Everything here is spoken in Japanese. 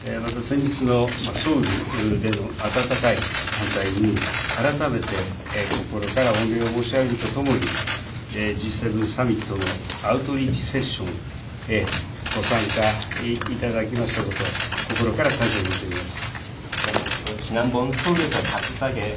での温かい歓待に改めて心から御礼を申し上げるとともに、Ｇ７サミットのアウトリーチセッションにご参加いただきましたこと、心から感謝を申し上げます。